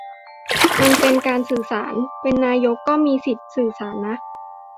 มันเป็นการสื่อสาร เป็นนายกก็มีสิทธิ์สื่อสารนะ